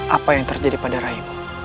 apa yang terjadi pada raimu